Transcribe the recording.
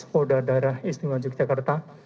kodadara istimewa yogyakarta